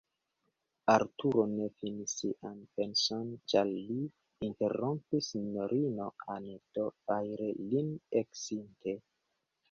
Arturo ne finis sian penson, ĉar lin interrompis sinjorino Anneto, fajre lin ekkisinte.